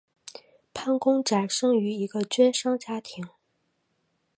潘公展生于一个绢商家庭。